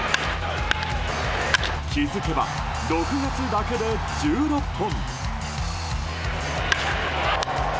気づけば６月だけで１６本。